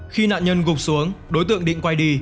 khi nạn nhân gục xuống đối tượng định quay đi